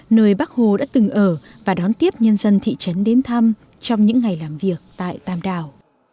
nơi bác hồ đã từng ở và đón tiếp nhân dân thị trấn đến thăm trong những ngày làm việc tại tam đảo